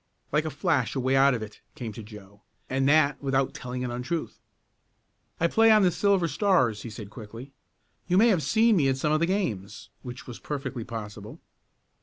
Like a flash a way out of it came to Joe, and that without telling an untruth. "I play on the Silver Stars," he said quickly. "You may have seen me at some of the games," which was perfectly possible.